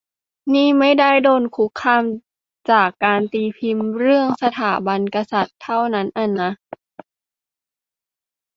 นี่ไม่ได้โดนคุกคามจากการตีพิมพ์เรื่องสถาบันกษัตริย์เท่านั้นอะนะ